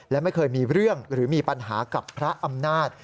และไม่เคยมีเรื่องหรือมีปัญหากับพระอำนาจ